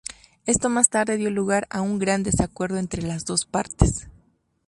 Esto más tarde dio lugar a un gran desacuerdo entre las dos partes.